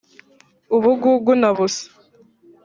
ubugugu na busa